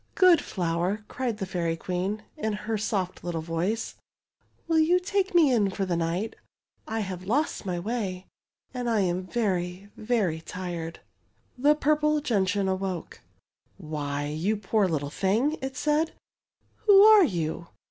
" Good flower," cried the Fairy Queen, in her soft little voice, '' will you take me in for the night I 1 have lost my way, and I am very, very tired/' The purple gentian awoke. '^ Why, you poor little thing,'' it said, '' who are you?